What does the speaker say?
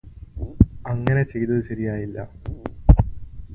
അങ്ങനെ ചെയ്തത് ശരിയായില്ല.